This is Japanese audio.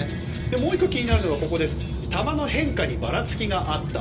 もう１個、気になるのが球の変化にばらつきがあった。